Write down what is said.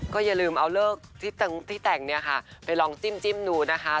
ก็อย่าลืมเอาเลิกที่แต่งเนี่ยค่ะไปลองจิ้มดูนะคะ